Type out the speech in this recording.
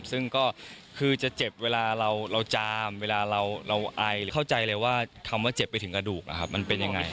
ซึ่งก็คือจะเจ็บเวลาเราจามเวลาเราไอเข้าใจเลยว่าคำว่าเจ็บไปถึงกระดูกมันเป็นยังไง